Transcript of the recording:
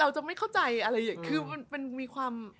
เอาอะไรอีก